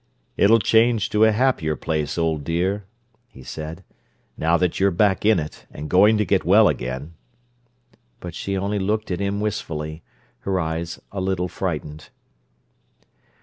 "It'll change to a happier place, old dear," he said, "now that you're back in it, and going to get well again." But she only looked at him wistfully, her eyes a little frightened.